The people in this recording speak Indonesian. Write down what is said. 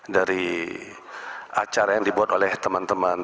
dari acara yang dibuat oleh teman teman pkb dan nasdem